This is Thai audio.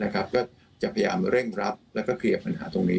ก็จะพยายามเร่งรัดแล้วก็เคลียร์ปัญหาตรงนี้